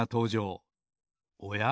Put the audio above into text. おや？